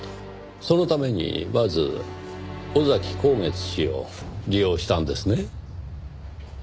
そのためにまず尾崎孝月氏を利用したんですね。